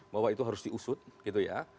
bahwa itu harus diusut gitu ya